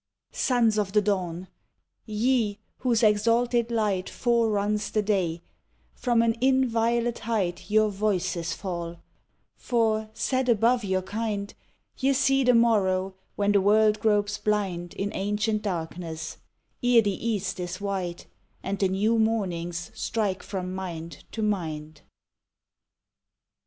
Sons of the dawn I Ye whose exalted light Foreruns the day, from an inviolate height Your voices fall ; for, set above your kind, Ye see the morrow when the world gropes blind In ancient darkness ere the East is white, And the new mornings strike from mind to mind.